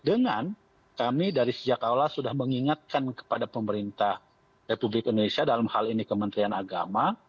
dengan kami dari sejak awal sudah mengingatkan kepada pemerintah republik indonesia dalam hal ini kementerian agama